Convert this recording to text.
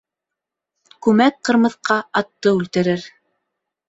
Күмәк ҡырмыҫҡа атты үлтерер.